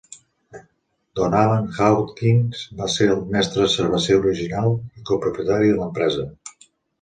Don Alan Hankins va ser el mestre cerveser original i copropietari de l'empresa.